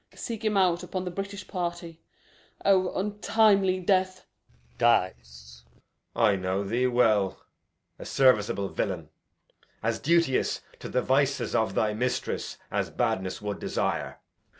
Seek him out Upon the British party. O, untimely death! Death! He dies. Edg. I know thee well. A serviceable villain, As duteous to the vices of thy mistress As badness would desire.